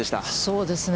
そうですね。